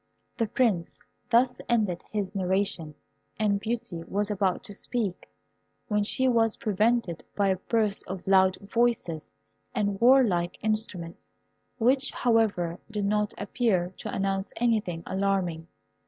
The Prince thus ended his narration, and Beauty was about to speak, when she was prevented by a burst of loud voices and warlike instruments, which, however, did not appear to announce anything alarming.